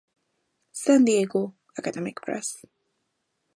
San Diego: Academic Press.